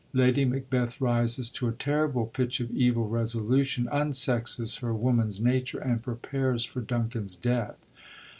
Lady Macbeth rises to a terrific pitch of evil resolution, unsexes her woman's natux'e, and prepares for Duncan's death.